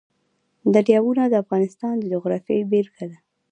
دریابونه د افغانستان د جغرافیې بېلګه ده.